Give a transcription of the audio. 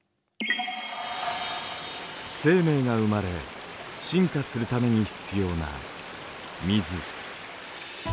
生命が生まれ進化するために必要な水。